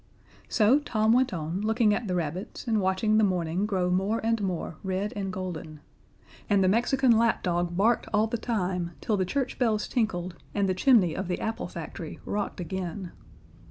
So Tom went on, looking at the rabbits and watching the morning grow more and more red and golden. And the Mexican lapdog barked all the time, till the church bells tinkled, and the chimney of the apple factory rocked again.